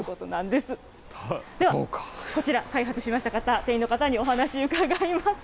ではこちら、開発しました方、店員の方にお話伺います。